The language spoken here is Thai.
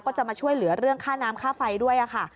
จะมาช่วยเหลือเรื่องค่าน้ำค่าไฟด้วยค่ะ